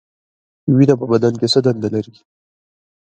وینه په بدن کې څه دنده لري؟